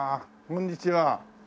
こんにちは。